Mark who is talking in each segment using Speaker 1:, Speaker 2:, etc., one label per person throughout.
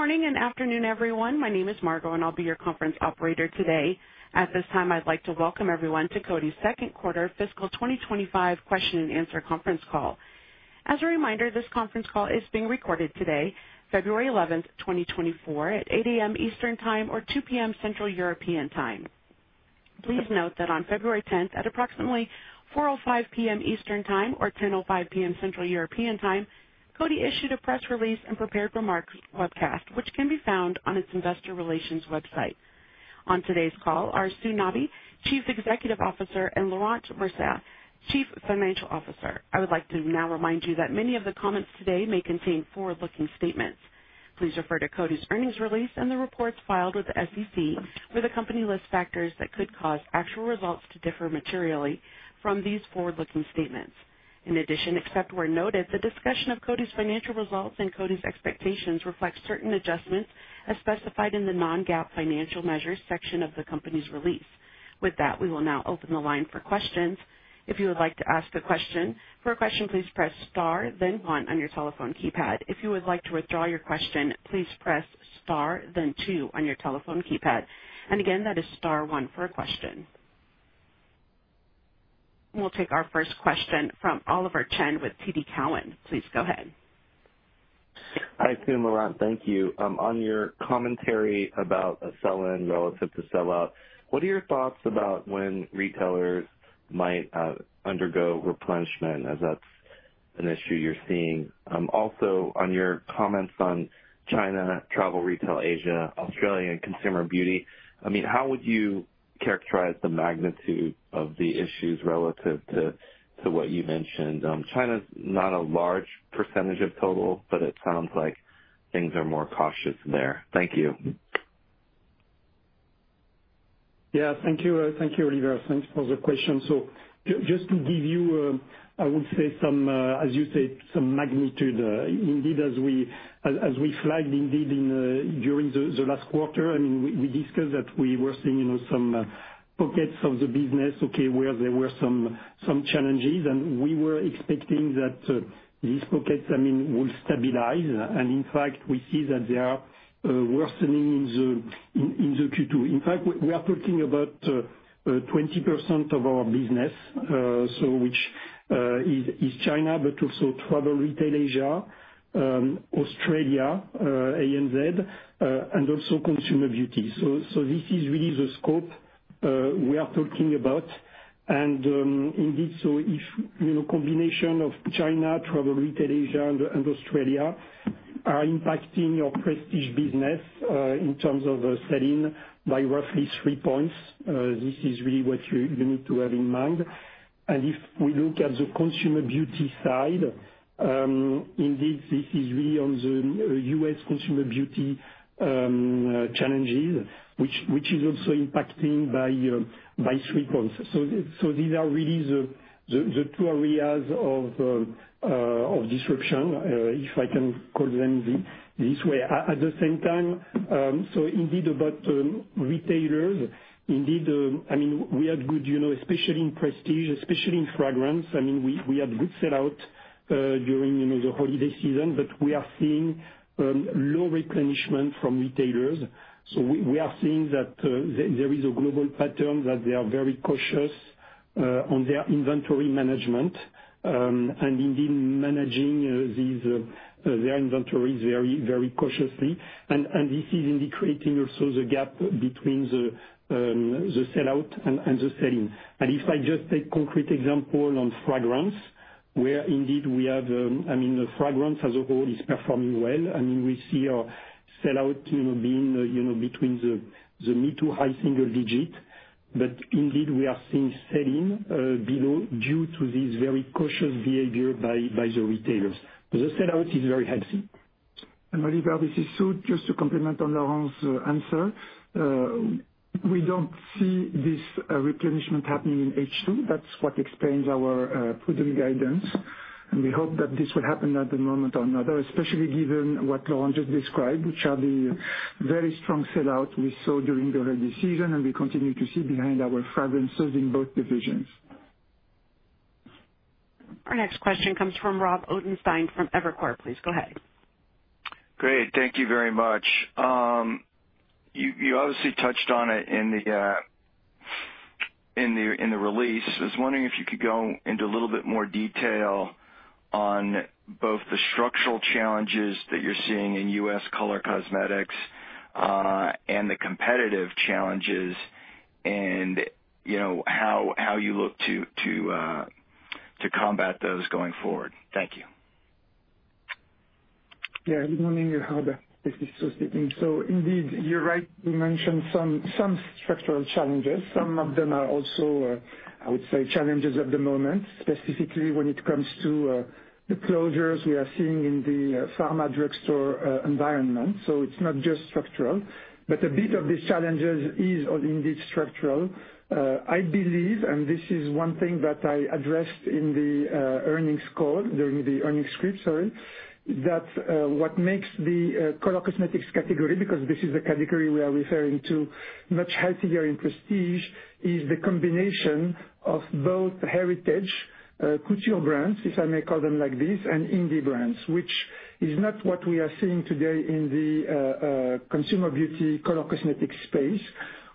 Speaker 1: Good morning and afternoon, everyone. My name is Margo, and I'll be your conference operator today. At this time, I'd like to welcome everyone to Coty's second quarter fiscal 2025 question and answer conference call. As a reminder, this conference call is being recorded today, February 11th, 2024, at 8:00 A.M. Eastern Time or 2:00 P.M. Central European Time. Please note that on February 10th, at approximately 4:05 P.M. Eastern Time or 10:05 P.M. Central European Time, Coty issued a press release and prepared remarks webcast, which can be found on its investor relations website. On today's call are Sue Nabi, Chief Executive Officer, and Laurent Mercier, Chief Financial Officer. I would like to now remind you that many of the comments today may contain forward-looking statements. Please refer to Coty's earnings release and the reports filed with the SEC, where the company lists factors that could cause actual results to differ materially from these forward-looking statements. In addition, except where noted, the discussion of Coty's financial results and Coty's expectations reflects certain adjustments as specified in the non-GAAP financial measures section of the company's release. With that, we will now open the line for questions. If you would like to ask a question, for a question, please press star, then one on your telephone keypad. If you would like to withdraw your question, please press star, then two on your telephone keypad. Again, that is star one for a question. We'll take our first question from Oliver Chen with TD Cowen. Please go ahead.
Speaker 2: Hi, Sue and Laurent. Thank you. On your commentary about a sell-in relative to sell-out, what are your thoughts about when retailers might undergo replenishment, as that's an issue you're seeing? Also, on your comments on China, Travel Retail, Asia, Australia, and Consumer Beauty, I mean, how would you characterize the magnitude of the issues relative to what you mentioned? China's not a large percentage of total, but it sounds like things are more cautious there. Thank you.
Speaker 3: Yeah. Thank you, Oliver. Thanks for the question. So just to give you, I would say, as you said, some magnitude. Indeed, as we flagged indeed during the last quarter, I mean, we discussed that we were seeing some pockets of the business, okay, where there were some challenges, and we were expecting that these pockets, I mean, would stabilize. In fact, we see that they are worsening in the Q2. In fact, we are talking about 20% of our business, which is China, but also Travel Retail Asia, Australia, ANZ, and also Consumer Beauty. So this is really the scope we are talking about and indeed, so if the combination of China, Travel Retail Asia, and Australia are impacting your Prestige business in terms of sell-in by roughly three points, this is really what you need to have in mind. If we look at the Consumer Beauty side, indeed, this is really on the U.S. Consumer Beauty challenges, which is also impacting by three points. These are really the two areas of disruption, if I can call them this way. At the same time, indeed, about retailers, I mean, we had good, especially in Prestige, especially in fragrance. I mean, we had good sell-out during the holiday season, but we are seeing low replenishment from retailers. We are seeing that there is a global pattern that they are very cautious on their inventory management and indeed managing their inventories very cautiously. This is indicating also the gap between the sell-out and the sell-in. If I just take a concrete example on fragrance, where indeed we have, I mean, the fragrance as a whole is performing well. I mean, we see our sell-out being between the mid- to high-single-digit, but indeed we are seeing sell-in due to this very cautious behavior by the retailers. The sell-out is very healthy.
Speaker 4: Oliver, this is Sue, just to comment on Laurent's answer. We don't see this replenishment happening in H2. That's what explains our prudent guidance. We hope that this will happen at one moment or another, especially given what Laurent just described, which are the very strong sell-out we saw during the holiday season and we continue to see behind our fragrances in both divisions.
Speaker 1: Our next question comes from Rob Ottenstein from Evercore ISI. Go ahead.
Speaker 5: Great. Thank you very much. You obviously touched on it in the release. I was wondering if you could go into a little bit more detail on both the structural challenges that you're seeing in U.S. color cosmetics and the competitive challenges and how you look to combat those going forward? Thank you.
Speaker 4: Yeah. Good morning, Robert. This is Sue Nabi. So indeed, you're right. We mentioned some structural challenges. Some of them are also, I would say, challenges at the moment, specifically when it comes to the closures we are seeing in the pharma drugstore environment. So it's not just structural, but a bit of these challenges is indeed structural. I believe, and this is one thing that I addressed in the earnings call during the earnings script, sorry, that's what makes the color cosmetics category, because this is the category we are referring to, much healthier in Prestige, is the combination of both heritage couture brands, if I may call them like this, and indie brands, which is not what we are seeing today in the Consumer Beauty color cosmetics space,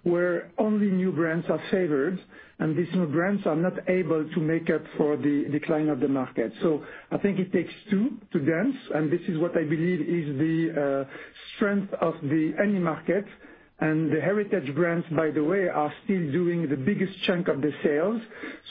Speaker 4: where only new brands are favored, and these new brands are not able to make up for the decline of the market. So I think it takes two to dance, and this is what I believe is the strength of the Prestige market, and the heritage brands, by the way, are still doing the biggest chunk of the sales.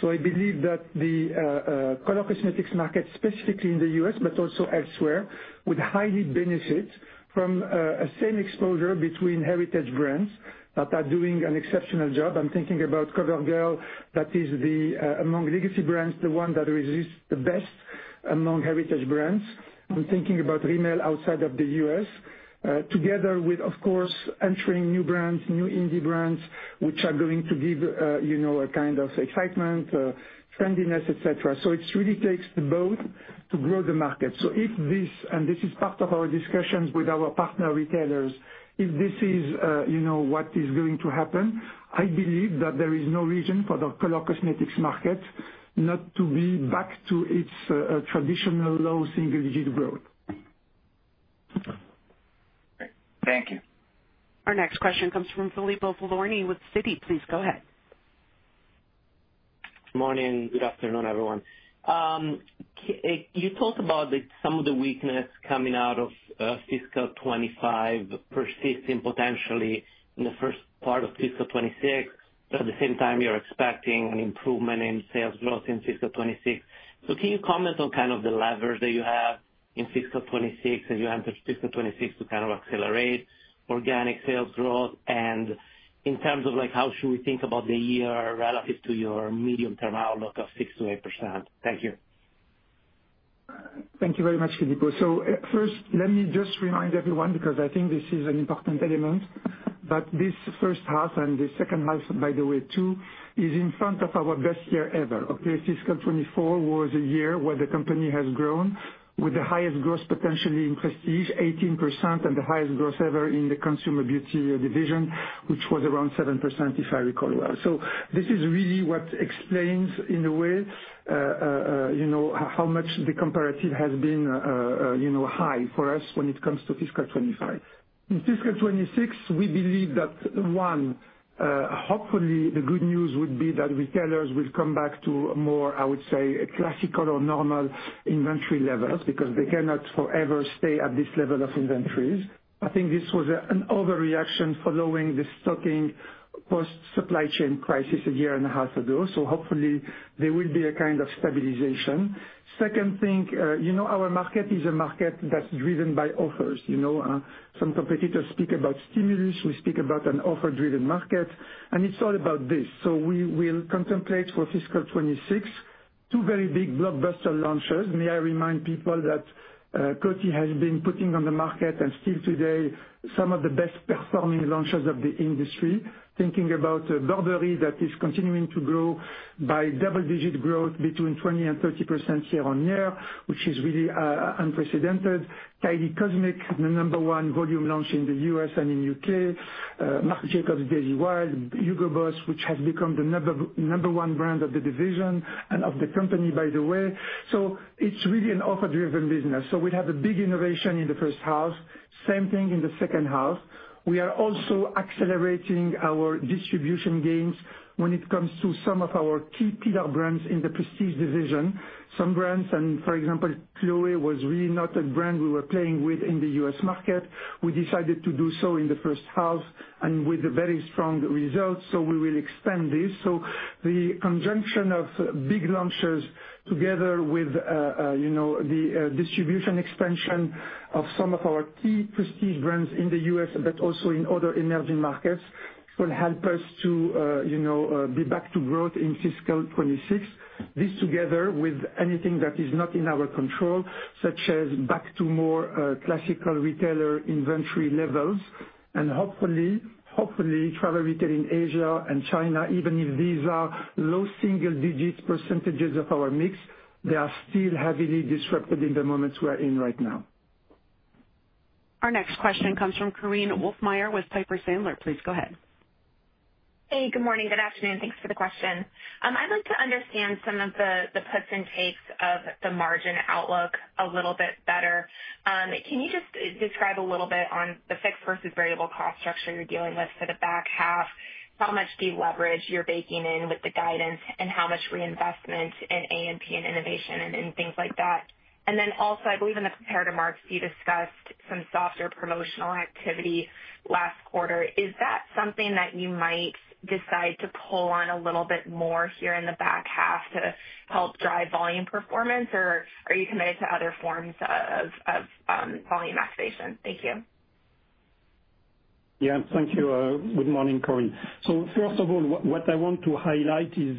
Speaker 4: So I believe that the color cosmetics market, specifically in the U.S., but also elsewhere, would highly benefit from a same exposure between heritage brands that are doing an exceptional job. I'm thinking about CoverGirl that is among legacy brands, the one that resists the best among heritage brands. I'm thinking about Rimmel outside of the U.S., together with, of course, entering new brands, new indie brands, which are going to give a kind of excitement, trendiness, etc. So it really takes both to grow the market. So if this, and this is part of our discussions with our partner retailers, if this is what is going to happen, I believe that there is no reason for the color cosmetics market not to be back to its traditional low single-digit growth.
Speaker 5: Thank you.
Speaker 1: Our next question comes from Filippo Falorni with Citi. Please go ahead.
Speaker 6: Good morning. Good afternoon, everyone. You talked about some of the weakness coming out of Fiscal 2025, persisting potentially in the first part of Fiscal 2026 but at the same time, you're expecting an improvement in sales growth in Fiscal 2026. So can you comment on kind of the levers that you have in Fiscal 2026 as you enter Fiscal 2026 to kind of accelerate organic sales growth? In terms of how should we think about the year relative to your medium-term outlook of 6%-8%? Thank you.
Speaker 4: Thank you very much, Filippo. So first, let me just remind everyone, because I think this is an important element, that this first half and the second half, by the way, too, is in front of our best year ever. Okay, Fiscal 2024 was a year where the company has grown with the highest growth potentially in Prestige, 18%, and the highest growth ever in the Consumer Beauty division, which was around 7%, if I recall well. So this is really what explains, in a way, how much the comparative has been high for us when it comes to Fiscal 2025. In Fiscal 2026, we believe that, one, hopefully, the good news would be that retailers will come back to more, I would say, classical or normal inventory levels because they cannot forever stay at this level of inventories. I think this was an overreaction following the stocking post-supply chain crisis a year and a half ago. So hopefully, there will be a kind of stabilization. Second thing, our market is a market that's driven by offers. Some competitors speak about stimulus. We speak about an offer-driven market, and it's all about this. So we will contemplate for Fiscal 2026 two very big blockbuster launches. May I remind people that Coty has been putting on the market and still today some of the best-performing launches of the industry, thinking about Burberry that is continuing to grow by double-digit growth between 20% and 30% year on year, which is really unprecedented. Kylie Cosmic, the number one volume launch in the U.S. and in the U.K., Marc Jacobs Daisy Wild, Hugo Boss, which has become the number one brand of the division and of the company, by the way. So it's really an offer-driven business. So we have a big innovation in the first half. Same thing in the second half. We are also accelerating our distribution gains when it comes to some of our key pillar brands in the Prestige division. Some brands, and for example, Chloé was really not a brand we were playing with in the U.S. market. We decided to do so in the first half and with very strong results. So we will expand this. So the conjunction of big launches together with the distribution expansion of some of our key Prestige brands in the U.S., but also in other emerging markets, will help us to be back to growth in fiscal 2026. This together with anything that is not in our control, such as back to more classical retailer inventory levels. Hopefully, Travel Retail in Asia and China, even if these are low single-digit percentages of our mix, they are still heavily disrupted in the moments we're in right now.
Speaker 1: Our next question comes from Korinne Wolfmeyer with Piper Sandler. Please go ahead.
Speaker 7: Hey, good morning. Good afternoon. Thanks for the question. I'd like to understand some of the puts and takes of the margin outlook a little bit better. Can you just describe a little bit on the fixed versus variable cost structure you're dealing with for the back half? How much do you leverage your baking in with the guidance, and how much reinvestment in A&P and innovation and things like that? Then also, I believe in the prepared remarks, you discussed some softer promotional activity last quarter. Is that something that you might decide to pull on a little bit more here in the back half to help drive volume performance, or are you committed to other forms of volume activation? Thank you.
Speaker 3: Yeah. Thank you. Good morning, Corinne. So first of all, what I want to highlight is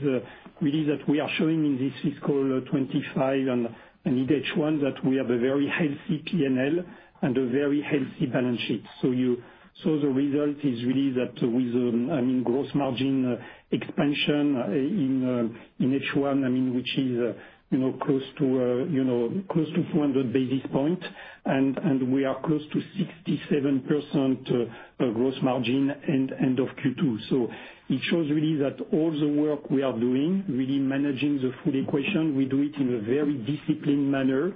Speaker 3: really that we are showing in this Fiscal 2025 and in H1 that we have a very healthy P&L and a very healthy balance sheet. So the result is really that with, I mean, gross margin expansion in H1, I mean, which is close to 400 basis points, and we are close to 67% gross margin end of Q2. So it shows really that all the work we are doing, really managing the full equation, we do it in a very disciplined manner,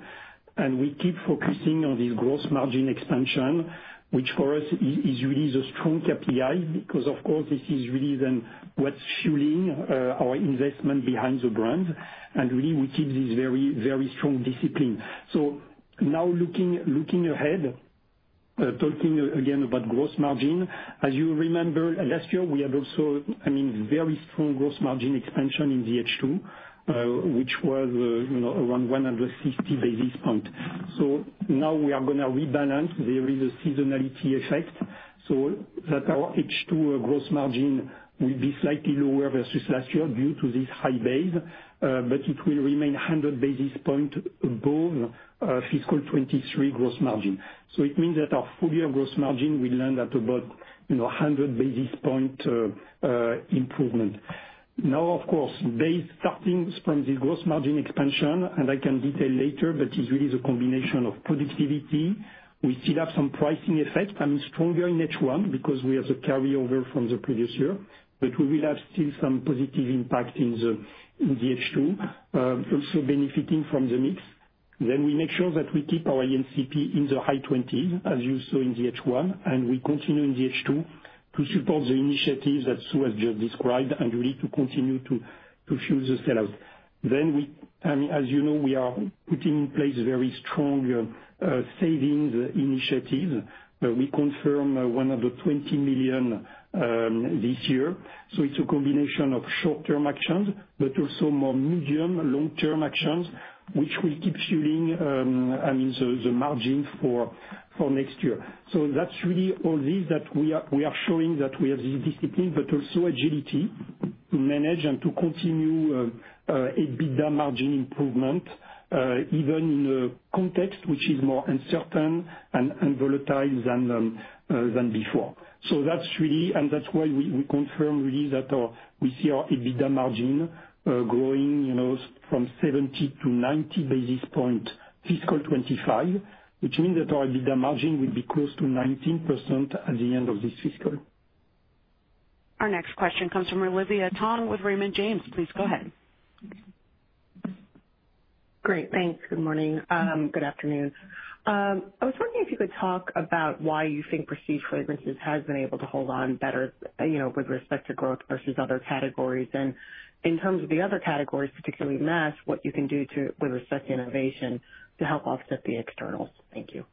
Speaker 3: and we keep focusing on this gross margin expansion, which for us is really the strong KPI because, of course, this is really what's fueling our investment behind the brands and really, we keep this very strong discipline. So now looking ahead, talking again about gross margin, as you remember, last year, we had also, I mean, very strong gross margin expansion in the H2, which was around 160 basis points. So now we are going to rebalance. There is a seasonality effect so that our H2 gross margin will be slightly lower versus last year due to this high base, but it will remain 100 basis points above Fiscal 2023 gross margin. So it means that our full year gross margin, we land at about 100 basis point improvement. Now, of course, based starting from this gross margin expansion, and I can detail later, but it's really the combination of productivity. We still have some pricing effect. I mean, stronger in H1 because we have the carryover from the previous year, but we will have still some positive impact in the H2, also benefiting from the mix. Then we make sure that we keep our A&CP in the high 20s, as you saw in the H1, and we continue in the H2 to support the initiatives that Sue has just described and really to continue to fuel the sell-out. Then, as you know, we are putting in place very strong savings initiatives. We confirmed $120 million this year. So it's a combination of short-term actions, but also more medium-long-term actions, which will keep fueling, I mean, the margin for next year. So that's really all these that we are showing that we have this discipline, but also agility to manage and to continue EBITDA margin improvement even in a context which is more uncertain and volatile than before. That's really, and that's why we confirm really that we see our EBITDA margin growing from 70 to 90 basis points Fiscal 2025, which means that our EBITDA margin will be close to 19% at the end of this fiscal.
Speaker 1: Our next question comes from Olivia Tong with Raymond James. Please go ahead.
Speaker 8: Great. Thanks. Good morning. Good afternoon. I was wondering if you could talk about why you think Prestige Fragrances has been able to hold on better with respect to growth versus other categories, and in terms of the other categories, particularly mass, what you can do with respect to innovation to help offset the externals. Thank you.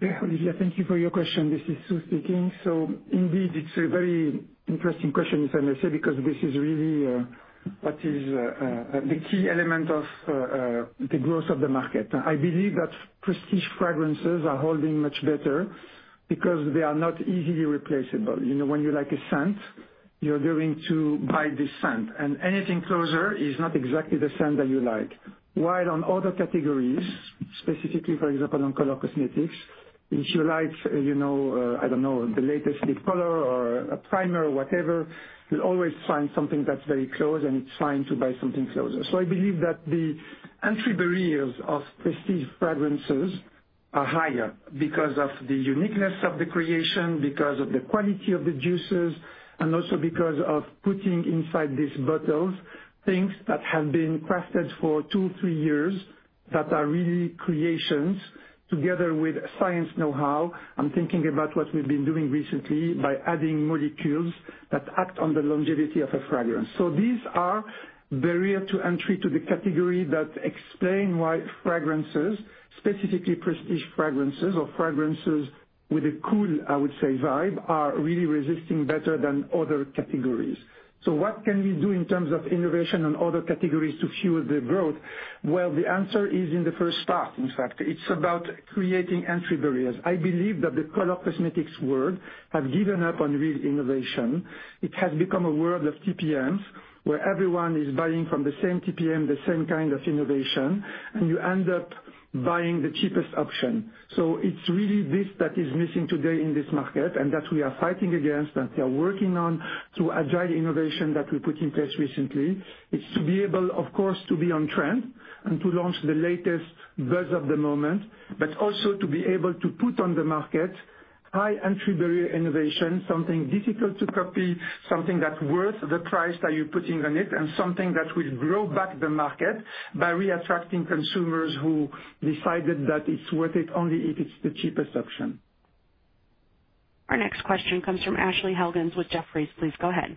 Speaker 4: Yeah. Olivia, thank you for your question. This is Sue speaking. So indeed, it's a very interesting question, if I may say, because this is really what is the key element of the growth of the market. I believe that Prestige Fragrances are holding much better because they are not easily replaceable. When you like a scent, you're going to buy the scent. Anything closer is not exactly the scent that you like. While on other categories, specifically, for example, on color cosmetics, if you like, I don't know, the latest lip color or a primer or whatever, you'll always find something that's very close, and it's fine to buy something closer. I believe that the entry barriers of Prestige Fragrances are higher because of the uniqueness of the creation, because of the quality of the juices, and also because of putting inside these bottles things that have been crafted for two, three years that are really creations together with science know-how. I'm thinking about what we've been doing recently by adding molecules that act on the longevity of a fragrance. So these are barrier to entry to the category that explain why fragrances, specifically Prestige Fragrances or fragrances with a cool, I would say, vibe, are really resisting better than other categories. So what can we do in terms of innovation and other categories to fuel the growth? Well, the answer is in the first half, in fact. It's about creating entry barriers. I believe that the color cosmetics world has given up on real innovation. It has become a world of TPMs where everyone is buying from the same TPM, the same kind of innovation, and you end up buying the cheapest option. So it's really this that is missing today in this market and that we are fighting against, that we are working on through agile innovation that we put in place recently. It's to be able, of course, to be on trend and to launch the latest buzz of the moment, but also to be able to put on the market high entry barrier innovation, something difficult to copy, something that's worth the price that you're putting on it, and something that will grow back the market by reattracting consumers who decided that it's worth it only if it's the cheapest option.
Speaker 1: Our next question comes from Ashley Helgans with Jefferies. Please go ahead.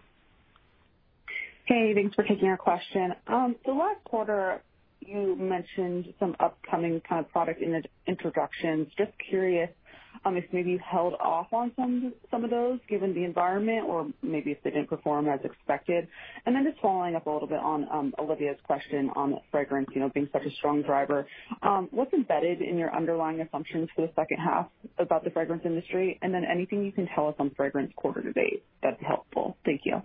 Speaker 9: Hey, thanks for taking our question. The last quarter, you mentioned some upcoming kind of product introductions. Just curious if maybe you held off on some of those given the environment or maybe if they didn't perform as expected. Then just following up a little bit on Olivia's question on fragrance being such a strong driver, what's embedded in your underlying assumptions for the second half about the fragrance industry? Then anything you can tell us on fragrance quarter to date that's helpful. Thank you.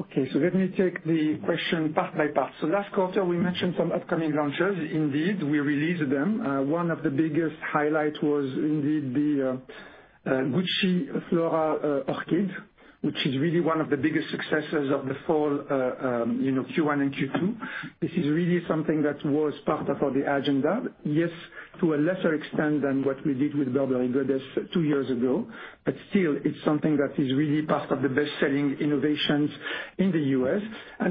Speaker 4: Okay, so let me take the question part by part. So last quarter, we mentioned some upcoming launches. Indeed, we released them. One of the biggest highlights was indeed the Gucci Flora Orchid, which is really one of the biggest successes of the fall Q1 and Q2. This is really something that was part of the agenda, yes, to a lesser extent than what we did with Burberry Goddess two years ago, but still, it's something that is really part of the best-selling innovations in the U.S..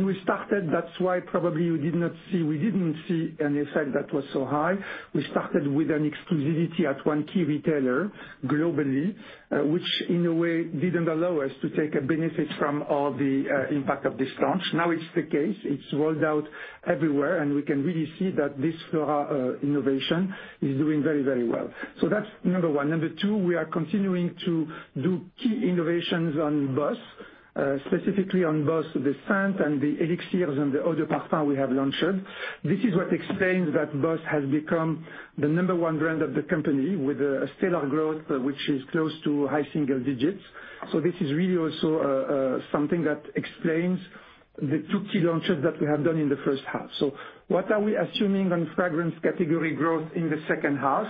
Speaker 4: We started, that's why probably you did not see. We didn't see an effect that was so high. We started with an exclusivity at one key retailer globally, which in a way didn't allow us to take a benefit from all the impact of this launch. Now it's the case. It's rolled out everywhere, and we can really see that this Flora innovation is doing very, very well. So that's number one. Number two, we are continuing to do key innovations on Boss, specifically on Boss The Scent and the Elixir and the Eau de Parfum we have launched. This is what explains that Boss has become the number one brand of the company with a stellar growth, which is close to high single digits. So this is really also something that explains the two key launches that we have done in the first half. So what are we assuming on fragrance category growth in the second half?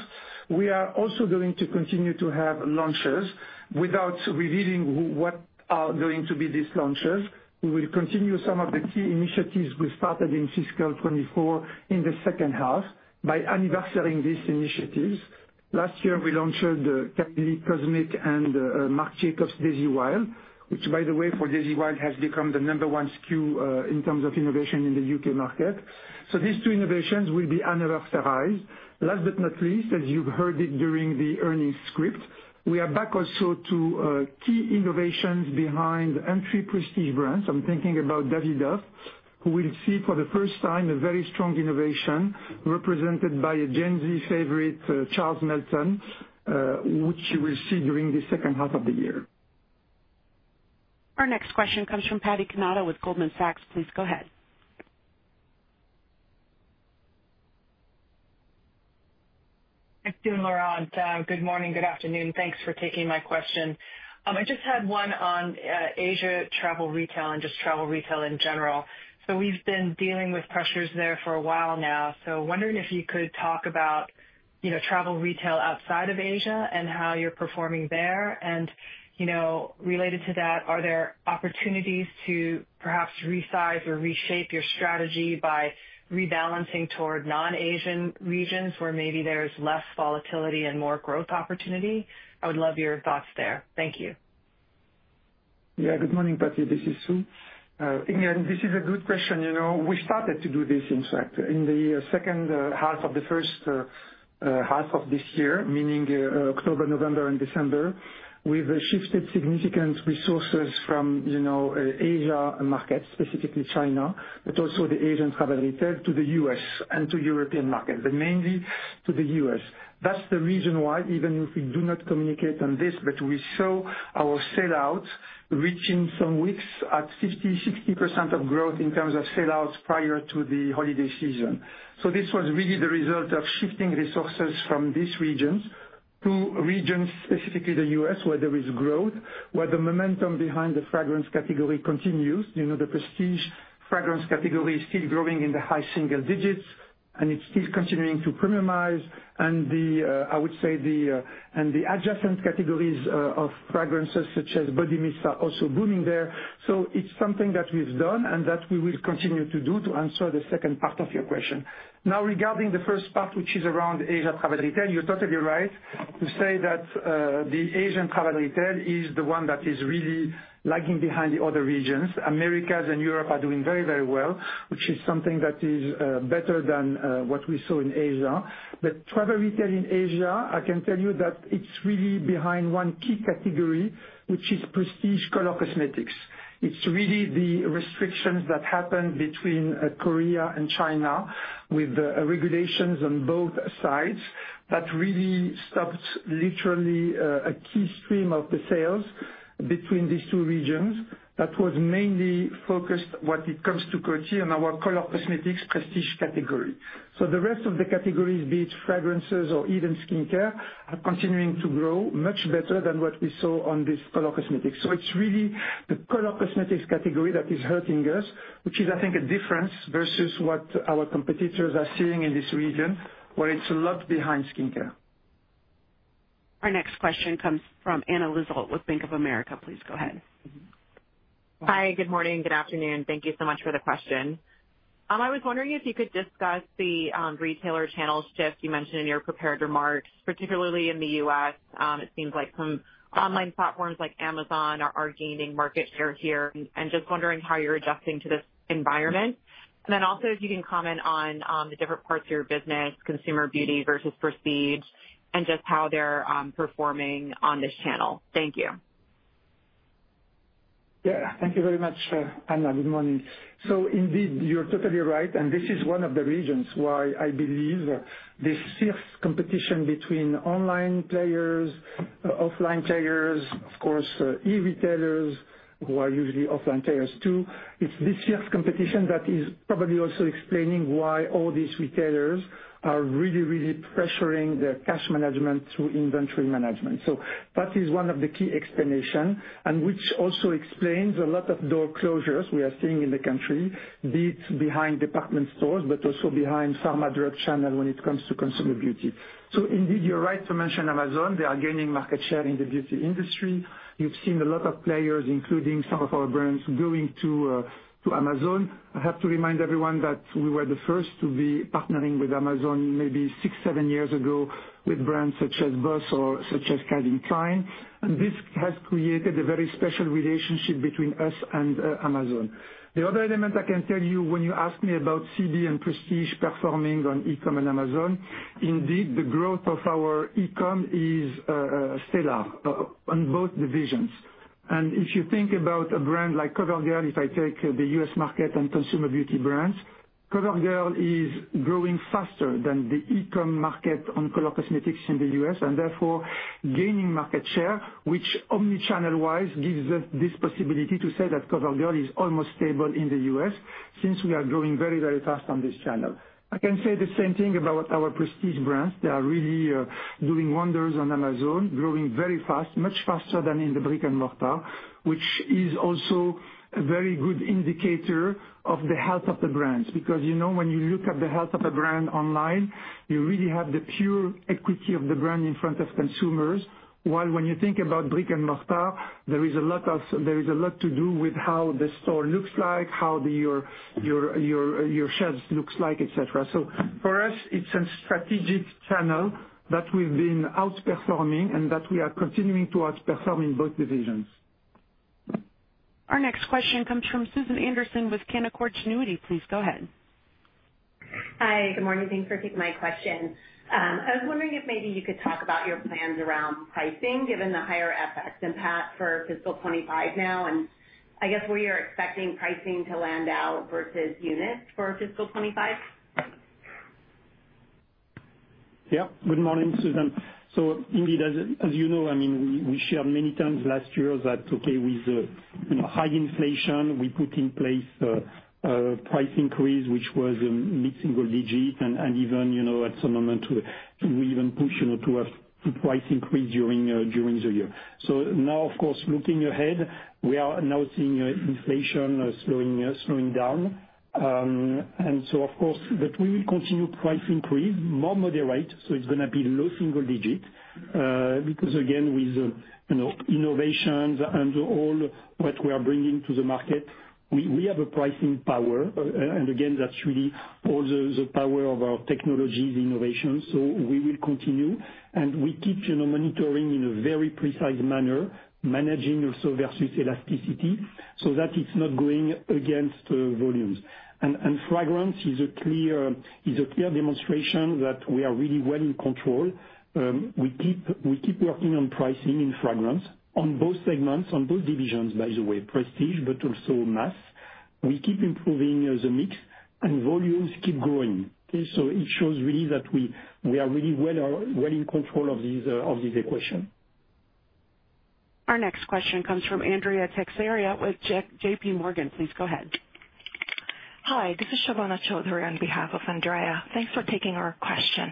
Speaker 4: We are also going to continue to have launches. Without revealing what are going to be these launches, we will continue some of the key initiatives we started in fiscal 2024 in the second half by anniversarying these initiatives. Last year, we launched Kylie Cosmic and Marc Jacobs Daisy Wild, which, by the way, for Daisy Wild has become the number one SKU in terms of innovation in the U.K. market. So these two innovations will be anniversarized. Last but not least, as you've heard it during the earnings script, we are back also to key innovations behind entry Prestige brands. I'm thinking about Davidoff, who will see for the first time a very strong innovation represented by a Gen Z favorite, Charles Melton, which you will see during the second half of the year.
Speaker 1: Our next question comes from Bonnie Herzog with Goldman Sachs. Please go ahead.
Speaker 10: Thanks, Laurent. Good morning. Good afternoon. Thanks for taking my question. I just had one on Asia Travel Retail and just Travel Retail in general. So we've been dealing with pressures there for a while now. So wondering if you could talk about Travel Retail outside of Asia and how you're performing there. Related to that, are there opportunities to perhaps resize or reshape your strategy by rebalancing toward non-Asian regions where maybe there's less volatility and more growth opportunity? I would love your thoughts there. Thank you.
Speaker 4: Yeah. Good morning, Bonnie. This is Sue. This is a good question. We started to do this, in fact, in the second half of the first half of this year, meaning October, November, and December. We've shifted significant resources from Asia markets, specifically China, but also the Asian Travel Retail to the U.S. and to European markets, but mainly to the U.S. That's the reason why, even if we do not communicate on this, but we saw our sellout reaching some weeks at 50%-60% of growth in terms of sellout prior to the holiday season. So this was really the result of shifting resources from these regions to regions, specifically the U.S., where there is growth, where the momentum behind the fragrance category continues. The Prestige fragrance category is still growing in the high single digits, and it's still continuing to premiumize. I would say the adjacent categories of fragrances, such as body mists, are also booming there. So it's something that we've done and that we will continue to do to answer the second part of your question. Now, regarding the first part, which is around Asia Travel Retail, you're totally right to say that the Asian Travel Retail is the one that is really lagging behind the other regions. America and Europe are doing very, very well, which is something that is better than what we saw in Asia. But Travel Retail in Asia, I can tell you that it's really behind one key category, which is Prestige color cosmetics. It's really the restrictions that happened between Korea and China with regulations on both sides that really stopped literally a key stream of the sales between these two regions that was mainly focused on when it comes to Coty and our color cosmetics Prestige category. So the rest of the categories, be it fragrances or even skincare, are continuing to grow much better than what we saw in this color cosmetics. So it's really the color cosmetics category that is hurting us, which is, I think, a difference versus what our competitors are seeing in this region, where it's a lot behind skincare.
Speaker 1: Our next question comes from Anna Lizzul with Bank of America. Please go ahead.
Speaker 11: Hi. Good morning. Good afternoon. Thank you so much for the question. I was wondering if you could discuss the retailer channel shift you mentioned in your prepared remarks, particularly in the U.S. It seems like some online platforms like Amazon are gaining market share here, and just wondering how you're adjusting to this environment. Then also, if you can comment on the different parts of your business, Consumer Beauty versus Prestige, and just how they're performing on this channel. Thank you.
Speaker 4: Yeah. Thank you very much, Anna. Good morning, so indeed, you're totally right, and this is one of the reasons why I believe this fierce competition between online players, offline players, of course, e-retailers, who are usually offline players too, it's this fierce competition that is probably also explaining why all these retailers are really, really pressuring their cash management through inventory management. So that is one of the key explanations, and which also explains a lot of door closures we are seeing in the country, be it behind department stores, but also behind pharma drug channel when it comes to Consumer Beauty, so indeed, you're right to mention Amazon. They are gaining market share in the beauty industry. You've seen a lot of players, including some of our brands, going to Amazon. I have to remind everyone that we were the first to be partnering with Amazon maybe six, seven years ago with brands such as Boss or such as Calvin Klein and this has created a very special relationship between us and Amazon. The other element I can tell you, when you ask me about CB and Prestige performing on e-comm and Amazon, indeed, the growth of our e-comm is stellar on both divisions. If you think about a brand like CoverGirl, if I take the U.S. market and Consumer Beauty brands, CoverGirl is growing faster than the e-comm market on color cosmetics in the U.S. and therefore gaining market share, which omnichannel-wise gives us this possibility to say that CoverGirl is almost stable in the U.S. since we are growing very, very fast on this channel. I can say the same thing about our Prestige brands. They are really doing wonders on Amazon, growing very fast, much faster than in the brick-and-mortar, which is also a very good indicator of the health of the brands because when you look at the health of a brand online, you really have the pure equity of the brand in front of consumers. While when you think about brick-and-mortar, there is a lot to do with how the store looks like, how your shelf looks like, etc. So for us, it's a strategic channel that we've been outperforming and that we are continuing to outperform in both divisions.
Speaker 1: Our next question comes from Susan Anderson with Canaccord Genuity. Please go ahead.
Speaker 12: Hi. Good morning. Thanks for taking my question. I was wondering if maybe you could talk about your plans around pricing, given the higher FX impact for Fiscal 2025 now. I guess we are expecting pricing to land out versus units for Fiscal 2025.
Speaker 3: Yeah. Good morning, Susan. So indeed, as you know, I mean, we shared many times last year that, okay, with high inflation, we put in place price increase, which was a mid-single digit, and even at some moment, we even pushed to price increase during the year. So now, of course, looking ahead, we are now seeing inflation slowing down. So, of course, but we will continue price increase, more moderate. So it's going to be low single digit because, again, with innovations and all what we are bringing to the market, we have a pricing power. Again, that's really all the power of our technologies, innovations. So we will continue, and we keep monitoring in a very precise manner, managing also versus elasticity so that it's not going against volumes and fragrance is a clear demonstration that we are really well in control. We keep working on pricing in fragrance on both segments, on both divisions, by the way, Prestige, but also Mass. We keep improving the mix, and volumes keep growing. So it shows really that we are really well in control of this equation.
Speaker 1: Our next question comes from Andrea Teixeira with JPMorgan. Please go ahead. Hi. This is Shivangi Choudhary on behalf of Andrea. Thanks for taking our question.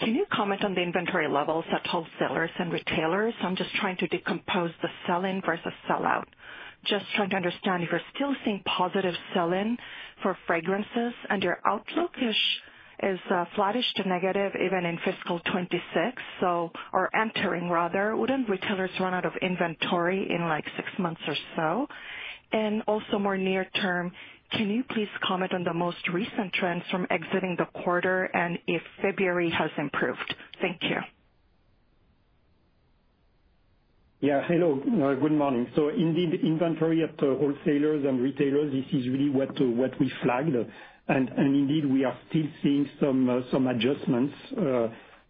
Speaker 1: Can you comment on the inventory levels at wholesalers and retailers? I'm just trying to decompose the sell-in versus sell-out. Just trying to understand if you're still seeing positive sell-in for fragrances, and your outlook is flattish to negative even in fiscal 2026, or entering, rather. Wouldn't retailers run out of inventory in like six months or so? Also more near-term, can you please comment on the most recent trends from exiting the quarter and if February has improved? Thank you.
Speaker 3: Yeah. Hello. Good morning. So indeed, inventory at wholesalers and retailers, this is really what we flagged, and indeed, we are still seeing some adjustments.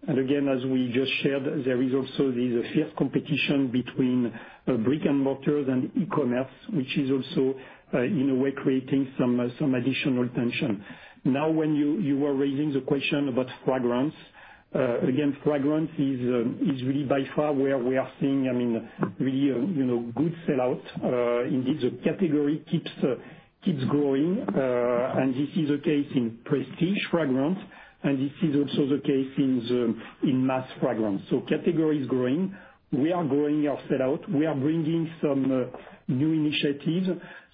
Speaker 3: Again, as we just shared, there is also this fierce competition between brick-and-mortars and e-commerce, which is also, in a way, creating some additional tension. Now, when you were raising the question about fragrance, again, fragrance is really by far where we are seeing, I mean, really good sell-out. Indeed, the category keeps growing, and this is the case in Prestige fragrance, and this is also the case in mass fragrance, so category is growing. We are growing our sell-out. We are bringing some new initiatives,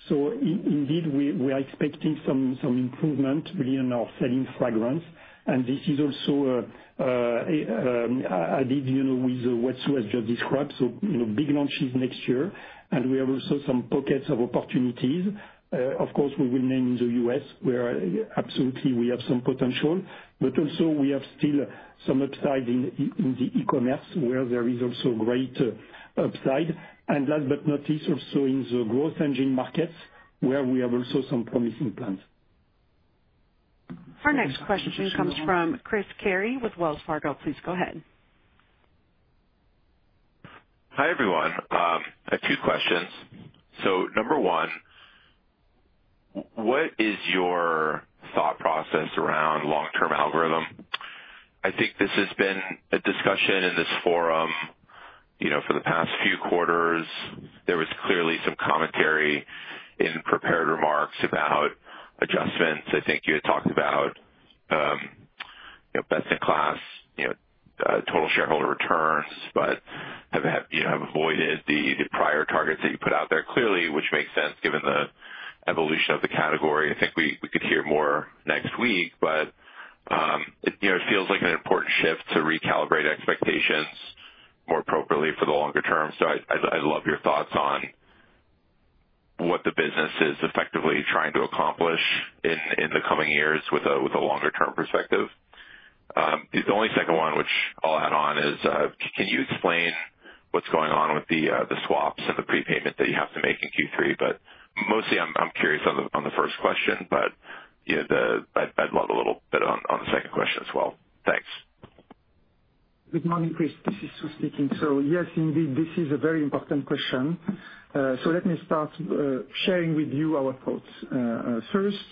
Speaker 3: so indeed, we are expecting some improvement really in our sell-in fragrance, and this is also a bit with what Sue just described, so big launches next year, and we have also some pockets of opportunities. Of course, we will name in the U.S. where absolutely we have some potential, but also we have still some upside in the e-commerce where there is also great upside, and last but not least, also in the growth engine markets where we have also some promising plans.
Speaker 1: Our next question comes from Chris Carey with Wells Fargo. Please go ahead.
Speaker 13: Hi everyone. A few questions. So number one, what is your thought process around long-term algorithm? I think this has been a discussion in this forum for the past few quarters. There was clearly some commentary in prepared remarks about adjustments. I think you had talked about best-in-class total shareholder returns, but have avoided the prior targets that you put out there clearly, which makes sense given the evolution of the category. I think we could hear more next week, but it feels like an important shift to recalibrate expectations more appropriately for the longer term. So I'd love your thoughts on what the business is effectively trying to accomplish in the coming years with a longer-term perspective. The only second one, which I'll add on, is, can you explain what's going on with the swaps and the prepayment that you have to make in Q3? But mostly, I'm curious on the first question, but I'd love a little bit on the second question as well. Thanks.
Speaker 4: Good morning, Chris. This is Sue speaking. So yes, indeed, this is a very important question. So let me start sharing with you our thoughts. First,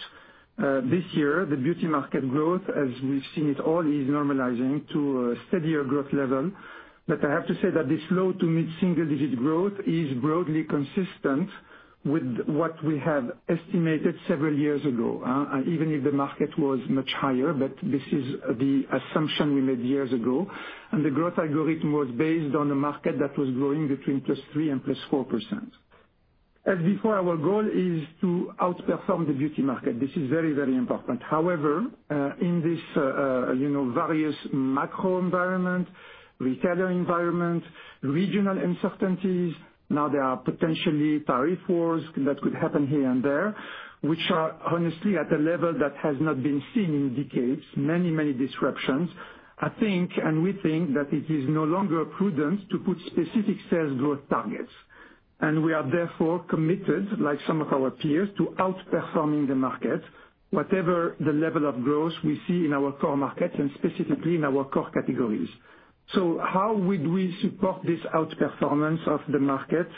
Speaker 4: this year, the beauty market growth, as we've seen it all, is normalizing to a steadier growth level. But I have to say that this low to mid-single digit growth is broadly consistent with what we have estimated several years ago, even if the market was much higher. But this is the assumption we made years ago, and the growth algorithm was based on a market that was growing between +3% and +4%. As before, our goal is to outperform the beauty market. This is very, very important. However, in these various macro environments, retailer environments, regional uncertainties, now there are potentially tariff wars that could happen here and there, which are honestly at a level that has not been seen in decades, many, many disruptions. I think, and we think, that it is no longer prudent to put specific sales growth targets, and we are therefore committed, like some of our peers, to outperforming the market, whatever the level of growth we see in our core markets and specifically in our core categories. So how would we support this outperformance of the market?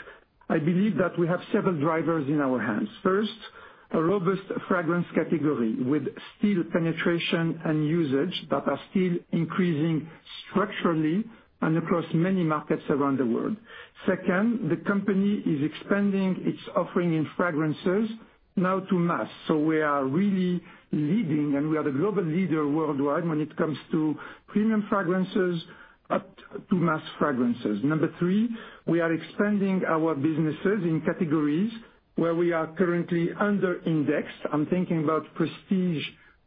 Speaker 4: I believe that we have several drivers in our hands. First, a robust fragrance category with still penetration and usage that are still increasing structurally and across many markets around the world. Second, the company is expanding its offering in fragrances now to mass. We are really leading, and we are the global leader worldwide when it comes to premium fragrances up to mass fragrances. Number three, we are expanding our businesses in categories where we are currently under-indexed. I'm thinking about Prestige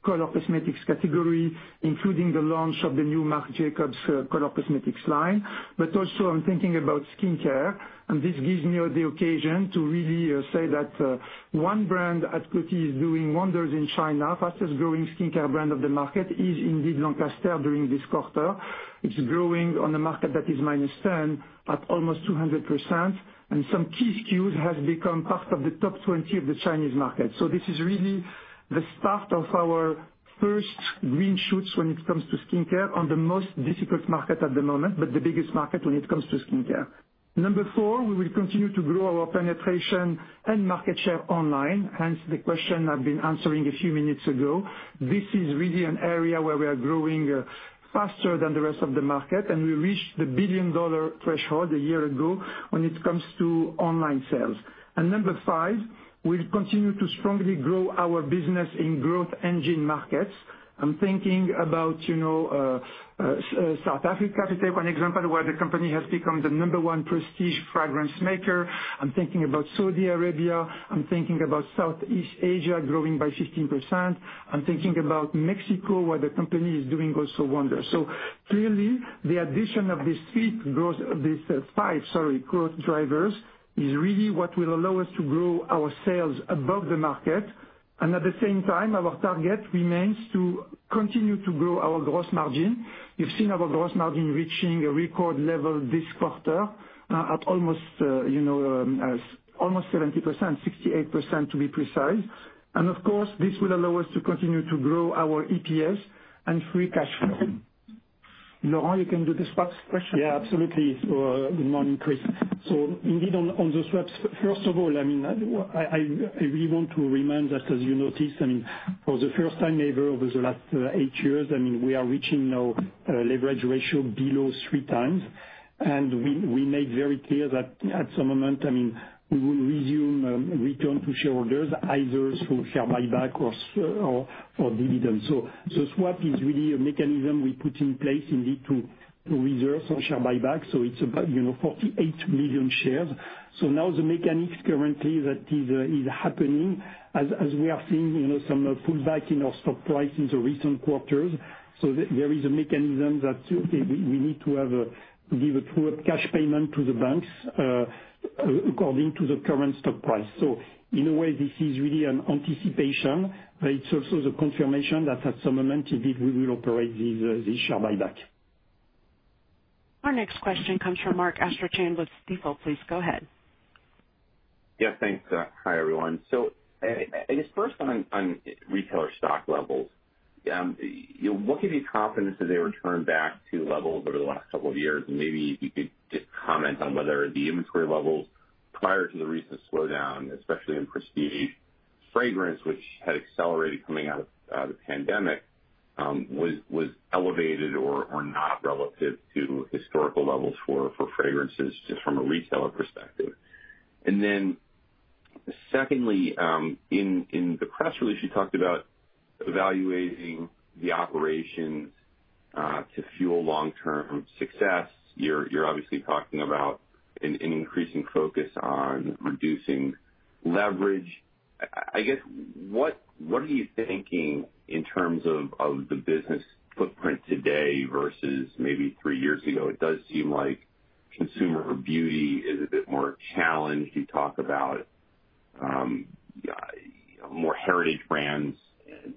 Speaker 4: color cosmetics category, including the launch of the new Marc Jacobs color cosmetics line. But also, I'm thinking about skincare, and this gives me the occasion to really say that one brand at Coty is doing wonders in China, fastest growing skincare brand of the market is indeed Lancaster during this quarter. It's growing on a market that is minus 10% at almost 200%, and some key SKUs have become part of the top 20 of the Chinese market. This is really the start of our first green shoots when it comes to skincare on the most difficult market at the moment, but the biggest market when it comes to skincare. Number four, we will continue to grow our penetration and market share online. Hence, the question I've been answering a few minutes ago. This is really an area where we are growing faster than the rest of the market, and we reached the billion-dollar threshold a year ago when it comes to online sales. Number five, we'll continue to strongly grow our business in growth engine markets. I'm thinking about South Africa, to take one example, where the company has become the number one Prestige fragrance maker. I'm thinking about Saudi Arabia. I'm thinking about Southeast Asia growing by 15%. I'm thinking about Mexico, where the company is doing also wonders. So clearly, the addition of these five, sorry, growth drivers is really what will allow us to grow our sales above the market and at the same time, our target remains to continue to grow our gross margin. You've seen our gross margin reaching a record level this quarter at almost 70%, 68% to be precise. Of course, this will allow us to continue to grow our EPS and free cash flow. Laurent, you can do the swaps question.
Speaker 3: Yeah, absolutely. So good morning, Chris. So indeed, on the swaps, first of all, I mean, I really want to remind that, as you noticed, I mean, for the first time ever over the last eight years, I mean, we are reaching now leverage ratio below three times. We made very clear that at some moment, I mean, we will resume return to shareholders, either through share buyback or dividends. The swap is really a mechanism we put in place indeed to reserve some share buyback. It's about 48 million shares. Now the mechanics currently that is happening, as we are seeing some pullback in our stock price in the recent quarters. There is a mechanism that we need to give a cash payment to the banks according to the current stock price. In a way, this is really an anticipation, but it's also the confirmation that at some moment, indeed, we will operate this share buyback.
Speaker 1: Our next question comes from Mark Astrachan with Stifel. Please go ahead.
Speaker 14: Yeah. Thanks. Hi, everyone. So I guess first on retailer stock levels, what can be confident that they returned back to levels over the last couple of years? Maybe if you could just comment on whether the inventory levels prior to the recent slowdown, especially in Prestige fragrance, which had accelerated coming out of the pandemic, was elevated or not relative to historical levels for fragrances just from a retailer perspective. Then secondly, in the press release, you talked about evaluating the operations to fuel long-term success. You're obviously talking about an increasing focus on reducing leverage. I guess, what are you thinking in terms of the business footprint today versus maybe three years ago? It does seem like Consumer Beauty is a bit more challenged. You talk about more heritage brands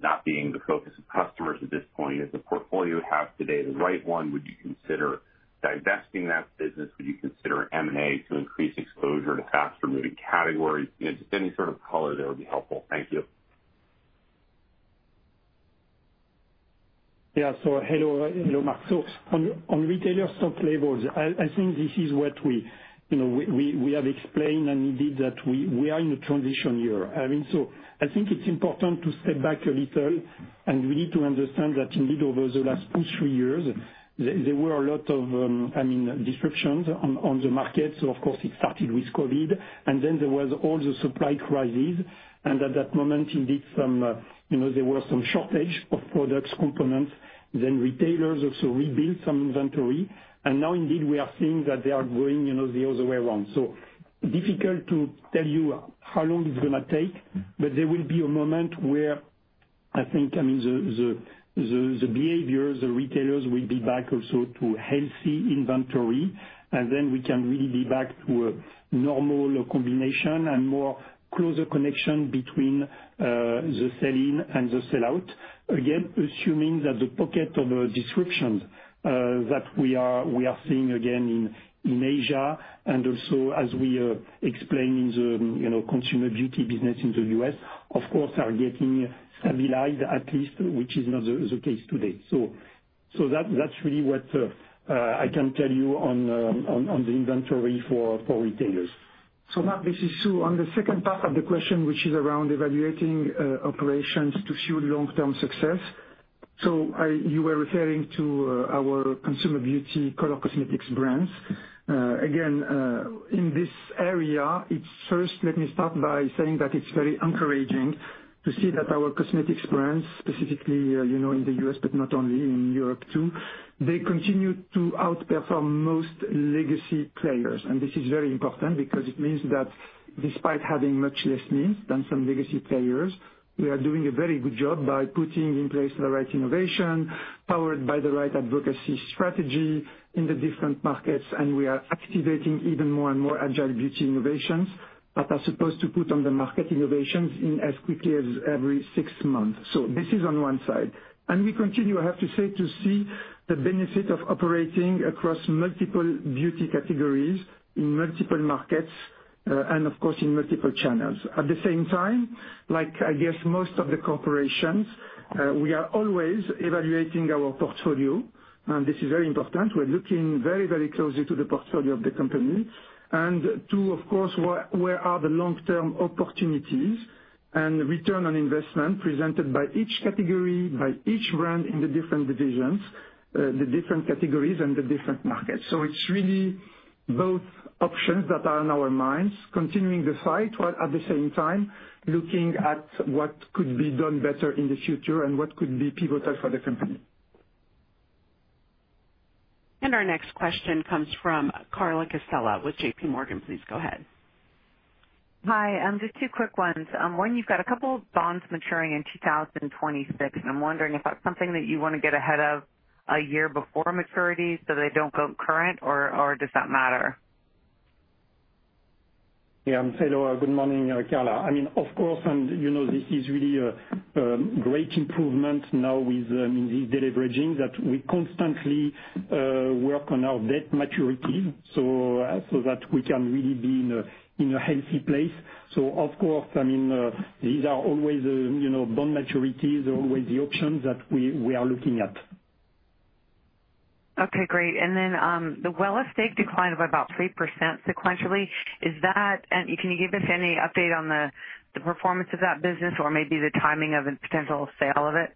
Speaker 14: not being the focus of customers at this point. Does the portfolio you have today the right one? Would you consider divesting that business? Would you consider M&A to increase exposure to faster-moving categories? Just any sort of color there would be helpful. Thank you.
Speaker 3: Yeah. So hello, Marc. So on retailer stock levels, I think this is what we have explained, and indeed, that we are in a transition year. I mean, so I think it's important to step back a little, and we need to understand that indeed, over the last two or three years, there were a lot of, I mean, disruptions on the market. So of course, it started with COVID, and then there were all the supply crises. At that moment, indeed, there were some shortage of products, components. Then retailers also rebuilt some inventory and now, indeed, we are seeing that they are growing the other way around. So difficult to tell you how long it's going to take, but there will be a moment where I think, I mean, the behavior of the retailers will be back also to healthy inventory, and then we can really be back to a normal combination and more closer connection between the sell-in and the sell-out. Again, assuming that the pocket of disruptions that we are seeing again in Asia and also, as we explained in the Consumer Beauty business in the U.S., of course, are getting stabilized at least, which is not the case today. So that's really what I can tell you on the inventory for retailers.
Speaker 4: So Marc, this is Sue on the second part of the question, which is around evaluating operations to fuel long-term success. So you were referring to our Consumer Beauty color cosmetics brands. Again, in this area, first, let me start by saying that it's very encouraging to see that our cosmetics brands, specifically in the U.S., but not only, in Europe too, they continue to outperform most legacy players and this is very important because it means that despite having much less needs than some legacy players. We are doing a very good job by putting in place the right innovation powered by the right advocacy strategy in the different markets, and we are activating even more and more agile beauty innovations that are supposed to put on the market innovations as quickly as every six months. So this is on one side. We continue, I have to say, to see the benefit of operating across multiple beauty categories in multiple markets and, of course, in multiple channels. At the same time, like I guess most of the corporations, we are always evaluating our portfolio, and this is very important. We're looking very, very closely to the portfolio of the company and to, of course, where are the long-term opportunities and return on investment presented by each category, by each brand in the different divisions, the different categories, and the different markets. So it's really both options that are on our minds, continuing the fight while at the same time looking at what could be done better in the future and what could be pivotal for the company.
Speaker 1: Our next question comes from Carla Casella with JPMorgan. Please go ahead.
Speaker 15: Hi. Just two quick ones. One, you've got a couple of bonds maturing in 2026, and I'm wondering if that's something that you want to get ahead of a year before maturity so they don't go current, or does that matter?
Speaker 4: Yeah. Hello. Good morning, Carla. I mean, of course, and this is really a great improvement now with these deleveraging that we constantly work on our debt maturity so that we can really be in a healthy place. So, of course, I mean, these are always bond maturities are always the options that we are looking at.
Speaker 15: Okay. Great. Then the Wella stake declined by about 3% sequentially. Can you give us any update on the performance of that business or maybe the timing of a potential sale of it?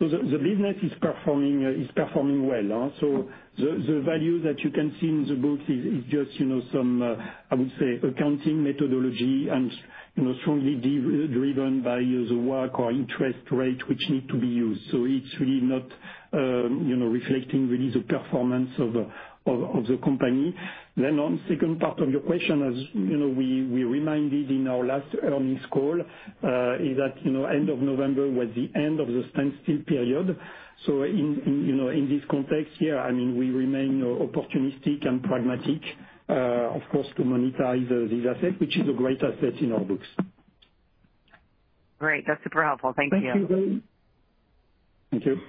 Speaker 4: The business is performing well. So the value that you can see in the books is just some, I would say, accounting methodology and strongly driven by the market or interest rate which need to be used. So it's really not reflecting the performance of the company. Then on the second part of your question, as we reminded in our last earnings call, is that end of November was the end of the standstill period. So in this context here, I mean, we remain opportunistic and pragmatic, of course, to monetize these assets, which is a great asset in our books.
Speaker 15: Great. That's super helpful. Thank you.
Speaker 4: Thank you very much. Thank you.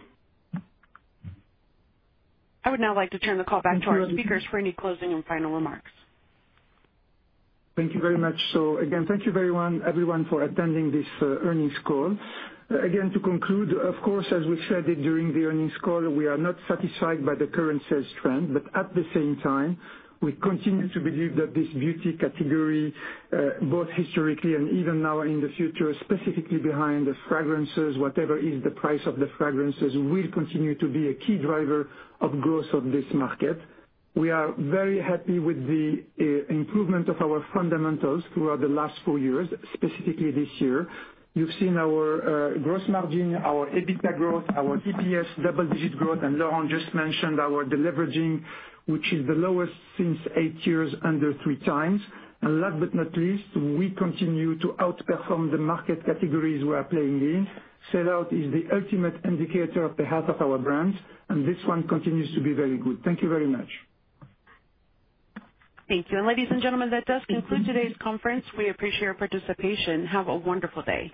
Speaker 1: I would now like to turn the call back to our speakers for any closing and final remarks.
Speaker 4: Thank you very much. So again, thank you everyone for attending this earnings call. Again, to conclude, of course, as we said during the earnings call, we are not satisfied by the current sales trend, but at the same time, we continue to believe that this beauty category, both historically and even now in the future, specifically behind the fragrances, whatever is the price of the fragrances, will continue to be a key driver of growth of this market. We are very happy with the improvement of our fundamentals throughout the last four years, specifically this year. You've seen our gross margin, our EBITDA growth, our EPS double-digit growth, and Laurent just mentioned our deleveraging, which is the lowest since eight years, under three times. Last but not least, we continue to outperform the market categories we are playing in. Sell-out is the ultimate indicator of the health of our brands, and this one continues to be very good. Thank you very much.
Speaker 1: Thank you. Ladies and gentlemen, that does conclude today's conference. We appreciate your participation. Have a wonderful day.